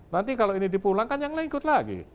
nanti kalau ini dipulangkan yang lain ikut lagi